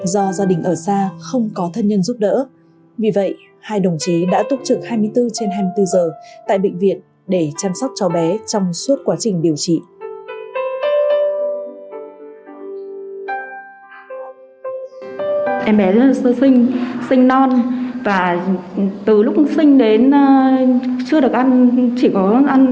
do gia đình ở xa không có thân nhân giúp đỡ vì vậy hai đồng chí đã túc trực hai mươi bốn trên hai mươi bốn giờ tại bệnh viện để chăm sóc cháu bé trong suốt quá trình sống